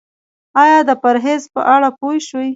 ایا د پرهیز په اړه پوه شوئ؟